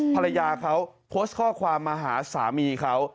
ภรรยาเขาโพสต์ข้อความมาหาสามีเขา